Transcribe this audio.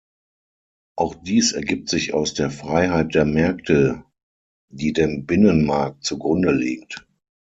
Auch dies ergibt sich aus der Freiheit der Märkte, die dem Binnenmarkt zugrunde liegt.